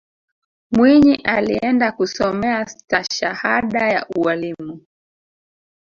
mwinyi alienda kusomea stashahada ya ualimu